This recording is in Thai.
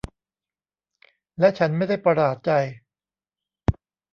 และฉันไม่ได้ประหลาดใจ